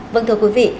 vâng thưa quý vị